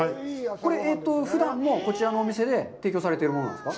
これ、ふだんも、こちらのお店で提供されているものですか。